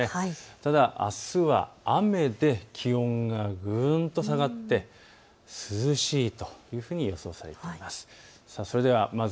ただ、あすは雨で気温がぐっと下がって涼しいというふうに予想されています。